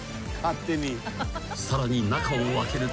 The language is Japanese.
［さらに中を開けると］